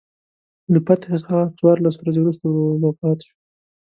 له فتحې څخه څوارلس ورځې وروسته وفات شو.